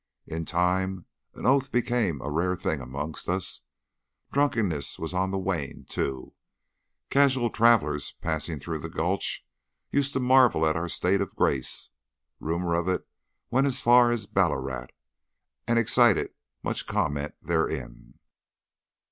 In time, an oath became a rare thing amongst us. Drunkenness was on the wane too. Casual travellers passing through the Gulch used to marvel at our state of grace, and rumours of it went as far as Ballarat, and excited much comment therein.